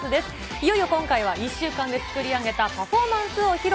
いよいよ今回は、１週間で作り上げたパフォーマンスを披露。